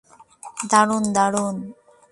দারুন, দারুন।